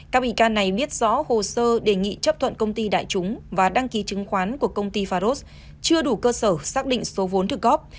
các bị can này biết rõ hồ sơ đề nghị chấp thuận công ty đại chúng và đăng ký chứng khoán của công ty faros chưa đủ cơ sở xác định số vốn thực góp